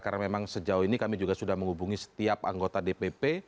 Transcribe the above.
karena memang sejauh ini kami juga sudah menghubungi setiap anggota dpp